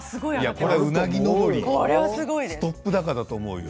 これはうなぎ登りストップ高だと思うよ。